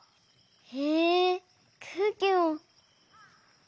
へえくうきも！